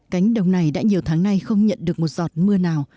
cánh đồng này đã nhiều tháng nay không nhận được một giọt mưa nào